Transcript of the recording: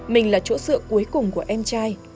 mình là chỗ dựa cuối cùng của em trai